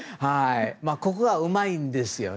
ここがうまいんですよ。